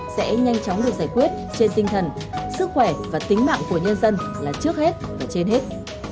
sẽ nhanh chóng được giải quyết trên tinh thần sức khỏe và tính mạng của nhân dân là trước hết và trên hết